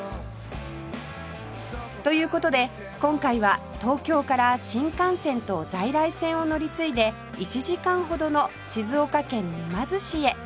という事で今回は東京から新幹線と在来線を乗り継いで１時間ほどの静岡県沼津市へ